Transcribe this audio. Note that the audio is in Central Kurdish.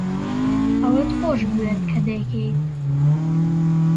ئەوەت خۆش بوێت کە دەیکەیت.